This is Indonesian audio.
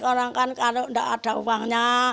orang kan kalau tidak ada uangnya